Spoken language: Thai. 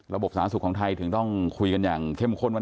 สาธารณสุขของไทยถึงต้องคุยกันอย่างเข้มข้นว่า